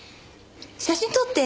「写真撮って！」